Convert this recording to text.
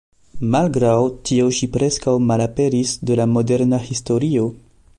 Malgraŭ tio ŝi preskaŭ malaperis de la moderna historio.